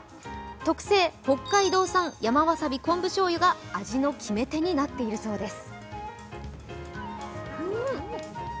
特製北海道産山わさび昆布醤油が味の決め手になっているそうです。